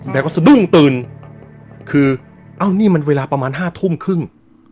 แล้วก็สะดุ้งตื่นคือเอ้านี่มันเวลาประมาณห้าทุ่มครึ่ง